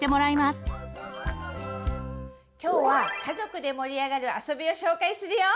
今日は家族で盛り上がるあそびを紹介するよ！